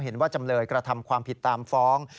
เห็นว่าจำเลยกระทำความผิดตามฟ้อง